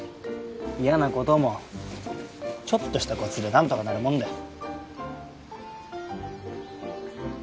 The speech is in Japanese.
嫌なこともちょっとしたコツで何とかなるもんだよ。